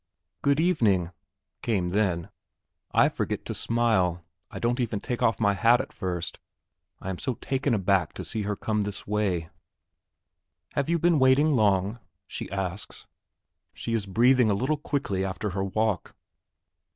"Good evening," came then. I forget to smile; I don't even take off my hat at first, I am so taken aback to see her come this way. "Have you been waiting long?" she asks. She is breathing a little quickly after her walk.